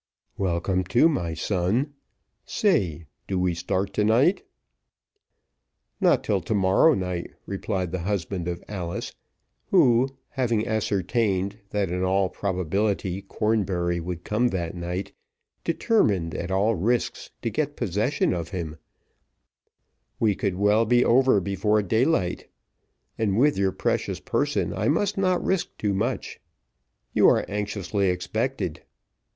"Welcome, too, my son. Say, do we start to night?" "Not till to morrow night," replied the husband of Alice, who having ascertained that in all probability Cornbury would come that night, determined, at all risks, to get possession of him: "we could well be over before daylight, and with your precious person, I must not risk too much. You are anxiously expected."